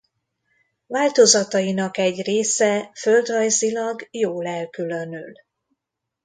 Változatainak egy része földrajzilag jól elkülönül.